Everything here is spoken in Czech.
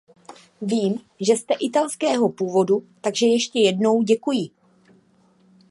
Vím, že jste italského původu, takže ještě jednou děkuji.